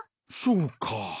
そうか。